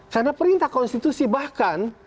karena perintah konstitusi bahkan